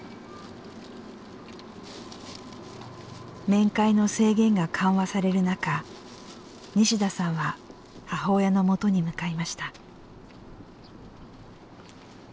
面会の制限が緩和される中西田さんは母親のもとに向かいました。